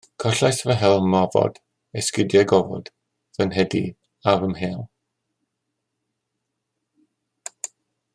Collais fy helm ofod, esgidiau gofod, fy nhedi a fy mhêl